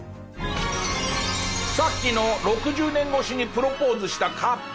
さっきの６０年越しにプロポーズしたカップル。